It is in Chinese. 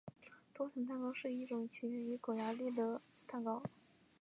多层蛋糕是一种起源于匈牙利的蛋糕。